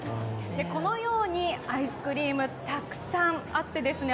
このようにアイスクリームたくさんあってですね